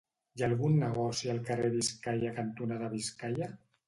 Hi ha algun negoci al carrer Biscaia cantonada Biscaia?